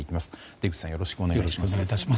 出口さんよろしくお願いします。